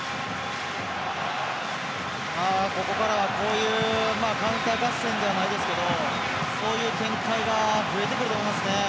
ここからはこういうカウンター合戦じゃないですけどそういう展開が増えてくると思いますね。